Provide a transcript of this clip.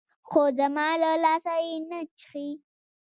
خو زما له لاسه يې نه چښي.